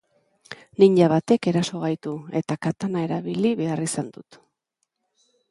Ninja batek eraso gaitu eta katana erabili behar izan dut.